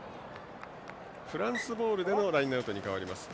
フランスボールでのラインアウト。